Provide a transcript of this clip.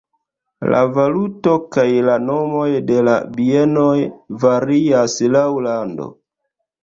La valuto kaj la nomoj de la bienoj varias laŭ lando.